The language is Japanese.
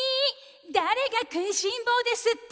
だれがくいしんぼうですって？